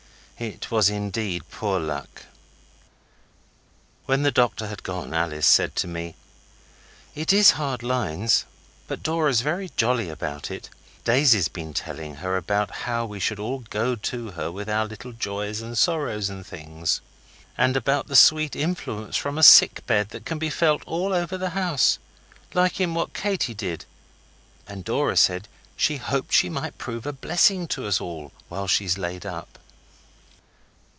It was indeed poor luck. When the doctor had gone Alice said to me 'It IS hard lines, but Dora's very jolly about it. Daisy's been telling her about how we should all go to her with our little joys and sorrows and things, and about the sweet influence from a sick bed that can be felt all over the house, like in What Katy Did, and Dora said she hoped she might prove a blessing to us all while she's laid up.